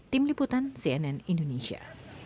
tim liputan cnn indonesia